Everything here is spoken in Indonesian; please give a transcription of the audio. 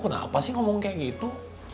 kamu tuh kenapa sih ngomong kayak gitu